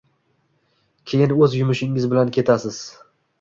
Keyin o’z yumushingiz bilan ketasiz.